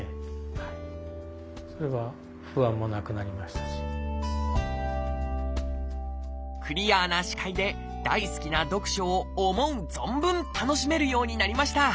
与田さんはクリアな視界で大好きは読書を思う存分楽しめるようになりました。